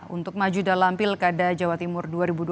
untuk maju dalam pilkada jawa timur dua ribu dua puluh